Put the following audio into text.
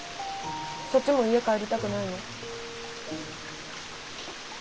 そっちも家帰りたくないの？